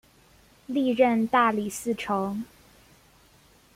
历任大理寺丞。